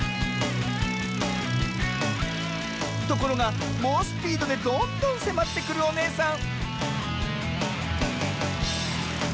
ところがもうスピードでどんどんせまってくるおねえさん